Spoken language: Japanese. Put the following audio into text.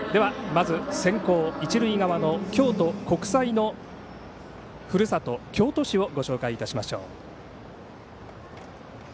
まず、先攻一塁側の京都国際のふるさと京都市をご紹介いたしましょう。